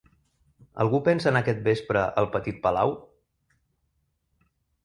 Algú pensa anar aquest vespre al Petit Palau?